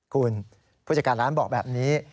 คุณผู้จัดการร้านบอกแบบนี้